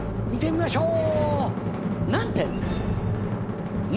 見てみましょう何点？